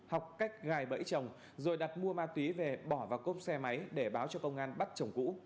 học cách gài bẫy chồng rồi đặt mua ma túy về bỏ vào cốp xe máy để báo cho công an bắt chồng cũ